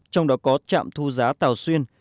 trong đó có trạm thu giá tàu xuyên